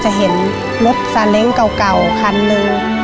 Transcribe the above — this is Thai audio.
จะเห็นรถซาเล้งเก่าคันหนึ่ง